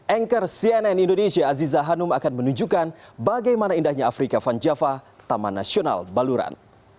anchor cnn indonesia aziza hanum akan menunjukkan bagaimana indahnya afrika van java taman nasional baluran